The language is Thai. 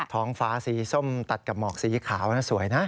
ท้องฟ้าสีส้มตัดกับหมอกสีขาวนะสวยนะ